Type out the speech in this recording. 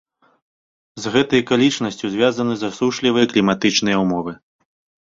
З гэтай акалічнасцю звязаны засушлівыя кліматычныя ўмовы.